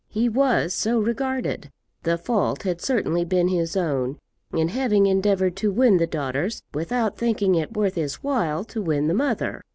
He was so regarded. The fault had certainly been his own, in having endeavoured to win the daughters without thinking it worth his while to win the mother.